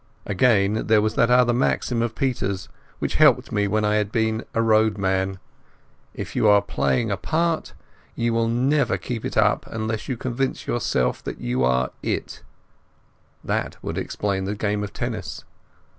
Again, there was that other maxim of Peter's which had helped me when I had been a roadman. "If you are playing a part, you will never keep it up unless you convince yourself that you are it." That would explain the game of tennis.